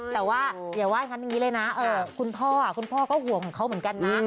แต่ว่าอย่าว่าอย่างงี้เลยนะคุณพ่อก็ห่วงของเขาเหมือนกันนะ